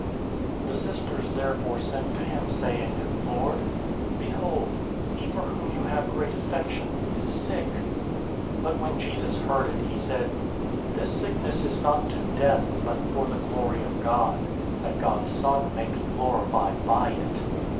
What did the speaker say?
011:003 The sisters therefore sent to him, saying, "Lord, behold, he for whom you have great affection is sick." 011:004 But when Jesus heard it, he said, "This sickness is not to death, but for the glory of God, that God's Son may be glorified by it."